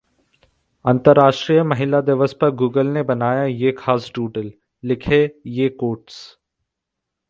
अंतरराष्ट्रीय महिला दिवस पर गूगल ने बनाया ये खास डूडल, लिखे ये कोट्स